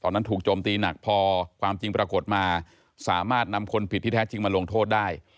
นั้นถูกโจมตีหนักพอความจริงปรากฏมาสามารถนำคนผิดที่แท้จริงมาลงโทษได้